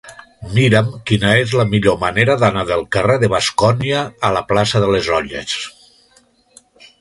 Mira'm quina és la millor manera d'anar del carrer de Bascònia a la plaça de les Olles.